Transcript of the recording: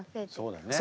そうだね。